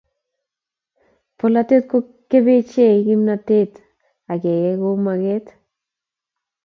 Bolatet ko kebchey kimnatet ak keyai kou maket